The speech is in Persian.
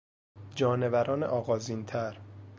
جانوران آغازین تر